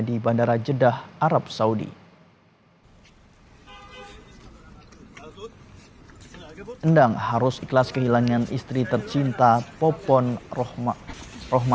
di bandara jeddah arab saudi endang harus ikhlas kehilangan istri tercinta popon